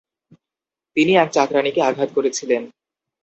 তিনি এক চাকরাণীকে আঘাত করেছিলেন।